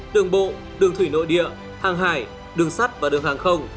đường bộ đường thủy nội địa hàng hải đường sắt và đường hàng không